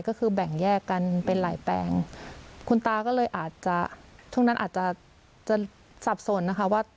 ก็คือแบ่งแยกกันเป็นหลายแปลงคุณตาก็เลยอาจจะช่วงนั้นอาจจะจะสับสนนะคะว่า